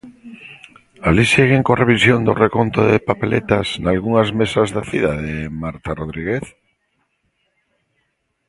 Alí seguen coa revisión do reconto de papeletas nalgunhas mesas da cidade, Marta Rodríguez?